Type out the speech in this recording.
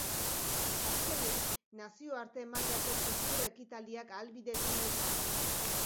Azkenik, nazioarte mailako kultur ekitaldiak ahalbidetu nahi ditu.